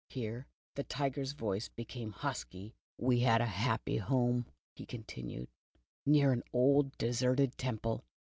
(Here the Tiger's voice became husky.) "We had a happy home," he continued, "near an old deserted temple.